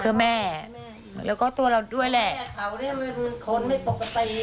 เพื่อแม่แล้วก็ตัวเราด้วยแหละ